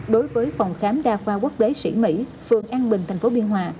đối với phòng khám đa khoa quốc tế sĩ mỹ phường an bình tp biên hòa